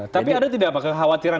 tapi ada tidak pak kekhawatiran